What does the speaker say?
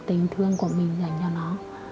tình thương của mình dành cho nó